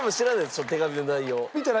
その手紙の内容。